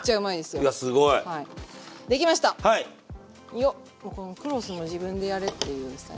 よっこのクロスも自分でやれっていうスタイルで。